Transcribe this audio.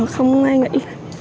không ai nghĩ